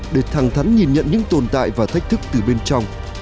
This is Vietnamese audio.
để thẳng thắn nhìn nhận những tồn tại và thách thức từ bên trong